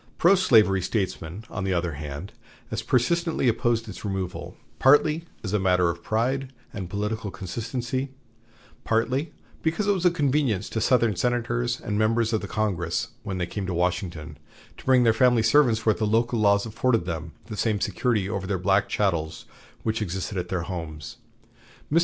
Pro slavery statesmen, on the other hand, as persistently opposed its removal, partly as a matter of pride and political consistency, partly because it was a convenience to Southern senators and members of Congress, when they came to Washington, to bring their family servants where the local laws afforded them the same security over their black chattels which existed at their homes. Mr.